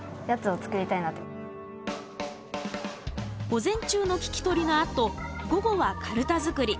午前中の聞き取りのあと午後はかるた作り。